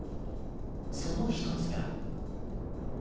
その一つが。